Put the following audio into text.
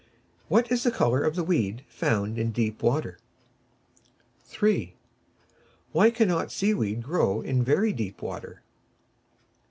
What is the colour of the weed found in deep water? 3. Why cannot Sea weed grow in very deep water?